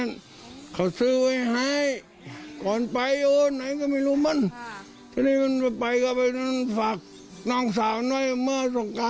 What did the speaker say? ประกอบศือทางคุณพ่อคุณไม่มีการซื้อให้น้องใช่มั้ยคะ